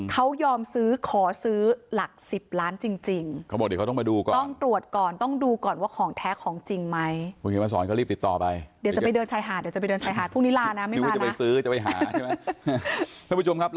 เขายอมซื้อขอซื้อหลัก๑๐ล้านจริงไหม